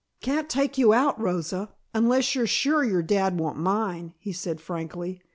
"Can't take you out, Rosa, unless you're sure your dad won't mind," he said frankly.